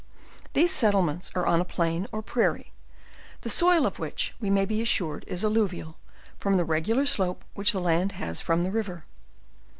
T&ese settlements are on a plain or prairie, the soil of which we may be assured is al luvial from the regular slope which the Jand has from the river.